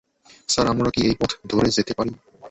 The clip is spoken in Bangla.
সারা আমরা কি এই পথ ধরে যেতে পারি?